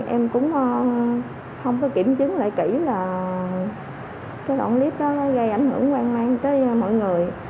em cũng không có kiểm chứng lại kỹ là cái đoạn clip nó gây ảnh hưởng quan mang tới mọi người